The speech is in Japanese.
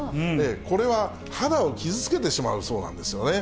これは肌を傷つけてしまうそうなんですね。